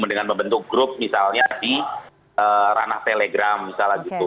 dengan membentuk grup misalnya di ranah telegram misalnya gitu